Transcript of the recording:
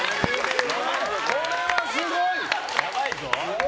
これはすごい！